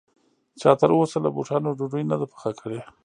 چا تر اوسه له بوټانو ډوډۍ نه ده پخه کړې